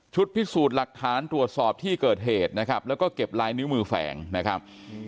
พิสูจน์หลักฐานตรวจสอบที่เกิดเหตุนะครับแล้วก็เก็บลายนิ้วมือแฝงนะครับ